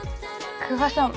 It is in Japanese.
久我さん